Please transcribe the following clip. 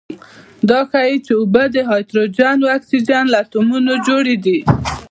دا ښيي چې اوبه د هایدروجن او اکسیجن له اتومونو جوړې دي.